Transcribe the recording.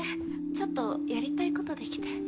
ちょっとやりたいこと出来て。